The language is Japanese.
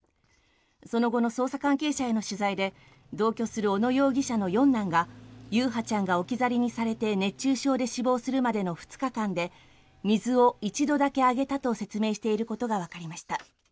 その後の捜査関係者への取材で同居する小野容疑者の四男が優陽ちゃんが置き去りにされ熱中症で死亡するまでの２日間で水を一度だけあげたと説明していることがわかりました。